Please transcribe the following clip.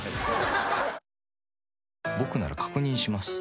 僕なら確認します。